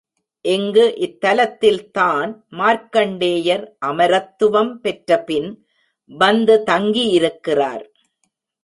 இங்கு இத்தலத்தில்தான் மார்க்கண்டேயர் அமரத்துவம் பெற்றபின் வந்த தங்கியிருக்கிறார்.